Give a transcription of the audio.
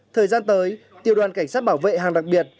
thời gian tới tiểu đoàn cảnh sát bảo vệ hàng đặc biệt